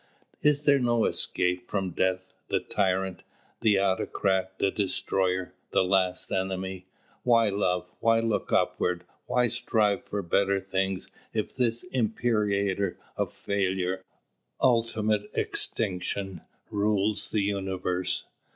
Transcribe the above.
Is there no escape from Death, the Tyrant, the autocrat, the destroyer, the last enemy? Why love, why look upward, why strive for better things if this imperator of failure, ultimate extinction, rules the universe?